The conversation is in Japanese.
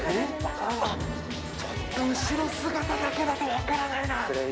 ちょっと後ろ姿だけだと分からないな。